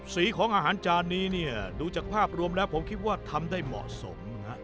สีของอาหารจานนี้เนี่ยดูจากภาพรวมแล้วผมคิดว่าทำได้เหมาะสม